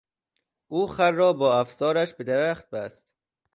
او خر را با افسارش به درخت بست.